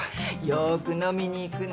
よく飲みにいくの。